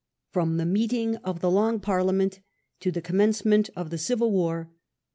FROM THE MEETING OF THE LONG PARLIAMENT TO THE COMMENCEMENT OF THE CIVIL WAR: NOV.